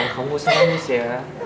kamu gak usah nangis ya